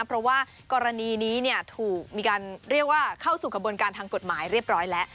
เพราะว่ากรณีนี้ถูกมีการเรียกว่าเข้าสู่กระบวนการทางกฎหมายเรียบร้อยแล้ว